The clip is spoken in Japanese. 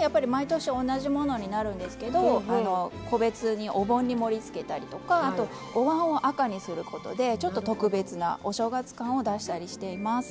やっぱり毎年同じものになるんですけど個別にお盆に盛りつけたりとかおわんを赤にすることでちょっと特別なお正月感を出したりしています。